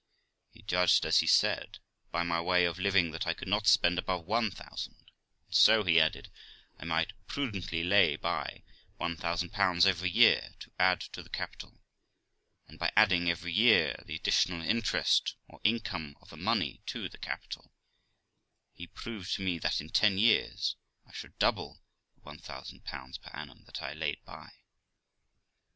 He judged, as he said, by my way of living that I could not spend above one thousand, and so, he added, I might prudently lay by 1000 every year to add to the capital; and by adding every year the additional interest or income of the money to the capital, he proved to me that in ten years I should double the 1000 per annum that I laid by.